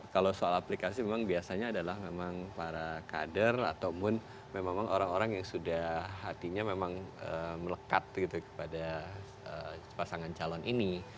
kalau soal aplikasi memang biasanya adalah memang para kader ataupun memang orang orang yang sudah hatinya memang melekat gitu kepada pasangan calon ini